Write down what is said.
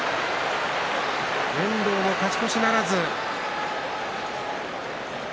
遠藤も勝ち越しならず。